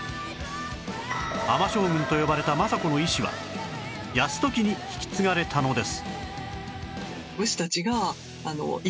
尼将軍と呼ばれた政子の意思は泰時に引き継がれたのです